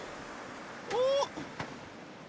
おっ！